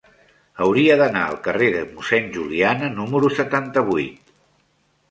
Hauria d'anar al carrer de Mossèn Juliana número setanta-vuit.